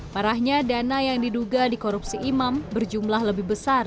parahnya dana yang diduga dikorupsi imam berjumlah lebih besar